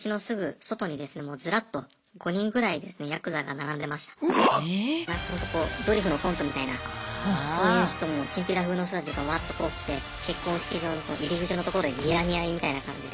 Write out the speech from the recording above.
なんかホントこうドリフのコントみたいなそういうちょっともうチンピラ風の人たちがうわっとこう来て結婚式場の入り口のとこでにらみ合いみたいな感じで。